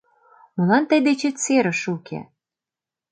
Молан тый дечет серыш уке?